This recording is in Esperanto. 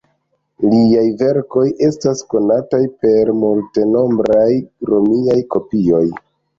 Liaj verkoj estas konataj per multenombraj romiaj kopioj.